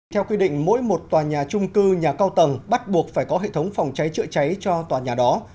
theo quy định mỗi một tòa nhà trung cư nhà cao tầng bắt buộc phải có hệ thống phòng cháy chữa cháy cho tòa nhà đó